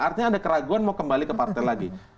artinya ada keraguan mau kembali ke partai lagi